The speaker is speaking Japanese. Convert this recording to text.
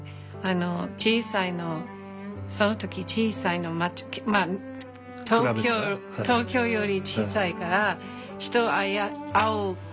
小さいのその時小さいの東京より小さいから人に会うことができる。